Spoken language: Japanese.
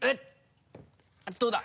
どうだ？